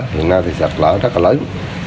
hiện nay thì sạt lở rất là lớn